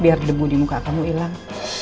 biar debu di muka kamu hilang